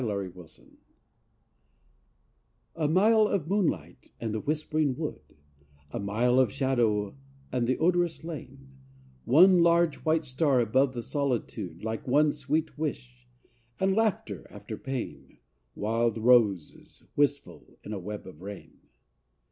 ASSUMPTION I A mile of moonlight and the whispering wood: A mile of shadow and the odorous lane: One large, white star above the solitude, Like one sweet wish: and, laughter after pain, Wild roses wistful in a web of rain.